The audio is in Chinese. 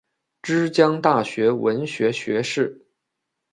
之江大学文学学士。